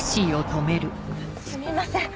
すみません